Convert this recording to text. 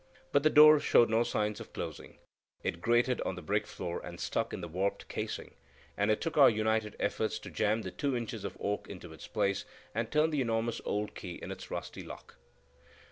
But the door showed no sign of closing; it grated on the brick floor and stuck in the warped casing, and it took our united efforts to jam the two inches of oak into its place, and turn the enormous old key in its rusty lock.